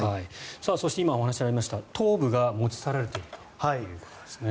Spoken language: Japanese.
そして今、お話にありました頭部が持ち去られているということですね。